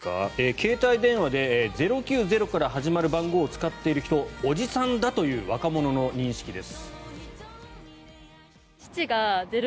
携帯電話で０９０から始まる番号を使っている人、おじさんだという若者の認識です。